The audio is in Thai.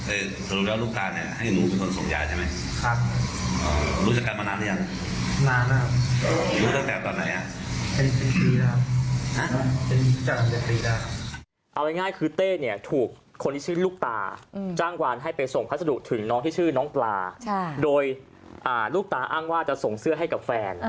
เอาง่ายคือเต้เนี่ยถูกคนที่ชื่อลูกตาจ้างวานให้ไปส่งพัสดุถึงน้องที่ชื่อน้องปลาโดยลูกตาอ้างว่าจะส่งเสื้อให้กับแฟน